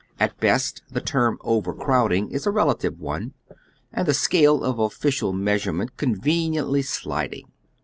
At best the term overcrowding is a I'elative one, and the scale of offi cial measurement conveniently sliding.